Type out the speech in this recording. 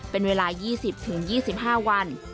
เป็นเวลา๒๐๒๕วัน